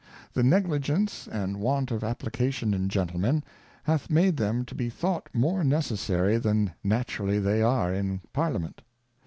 The Negligence, and want of Application in Gentlemen, hath made them to be thought more necessary than naturally they are in Parliament.